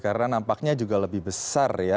karena nampaknya juga lebih besar ya